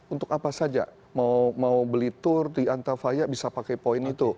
untuk apa saja mau beli tour di antafaya bisa pakai poin itu